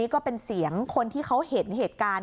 ก็เป็นเสียงคนที่เขาเห็นเหตุการณ์